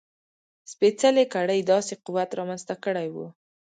سپېڅلې کړۍ داسې قوت رامنځته کړی و.